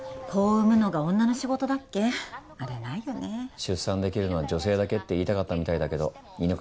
出産できるのは女性だけって言いたかったみたいだけど犬飼